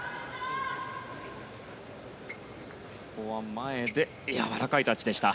前でやわらかいタッチでした。